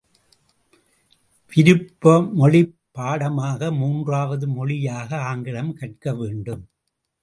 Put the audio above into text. விருப்பமொழிப் பாடமாக மூன்றாவது மொழியாக ஆங்கிலம் கற்க வேண்டும்.